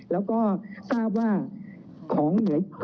เรามีการปิดบันทึกจับกลุ่มเขาหรือหลังเกิดเหตุแล้วเนี่ย